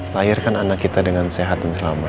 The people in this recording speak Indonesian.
lahirkan anak kita dengan sehat dan selamat